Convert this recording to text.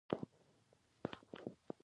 سینکلر پوهېده او پنډکی یې پټ کړی و.